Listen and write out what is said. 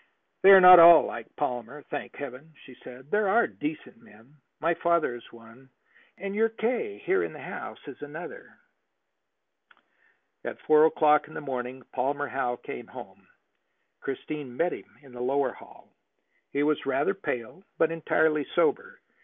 "They are not all like Palmer, thank Heaven," she said. "There are decent men. My father is one, and your K., here in the house, is another." At four o'clock in the morning Palmer Howe came home. Christine met him in the lower hall. He was rather pale, but entirely sober.